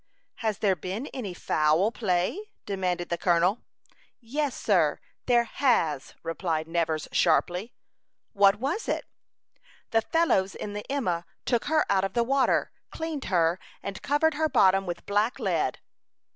"Has there been any foul play?" demanded the colonel. "Yes, sir, there has," replied Nevers, sharply. "What was it?" "The fellows in the Emma took her out of the water, cleaned her, and covered her bottom with black lead."